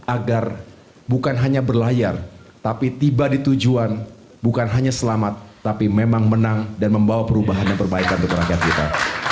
agar bukan hanya berlayar tapi tiba di tujuan bukan hanya selamat tapi memang menang dan membawa perubahan dan perbaikan untuk rakyat kita